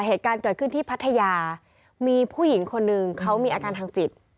เหตุการณ์เกิดขึ้นที่พัทยามีผู้หญิงคนหนึ่งเขามีอาการทางจิต